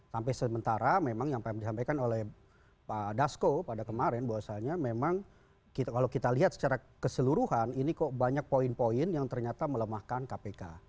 sampai sementara memang yang disampaikan oleh pak dasko pada kemarin bahwasanya memang kalau kita lihat secara keseluruhan ini kok banyak poin poin yang ternyata melemahkan kpk